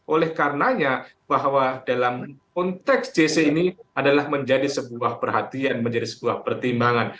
oleh karenanya bahwa dalam konteks jc ini adalah menjadi sebuah perhatian menjadi sebuah pertimbangan